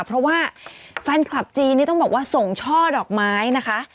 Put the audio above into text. เพราะว่าแฟนคลับจีนนี่ต้องบอกว่าส่งช่อดอกไม้นะคะ